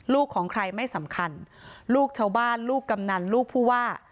ของใครไม่สำคัญลูกชาวบ้านลูกกำนันลูกผู้ว่า